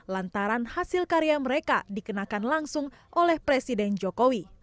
lantaran hasil karya mereka dikenakan langsung oleh presiden jokowi